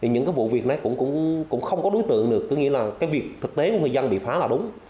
những vụ việc cũng không có đối tượng được tôi nghĩ là việc thực tế của người dân bị phá là đúng